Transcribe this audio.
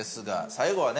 最後はね